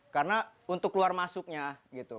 karena untuk keluar masuknya gitu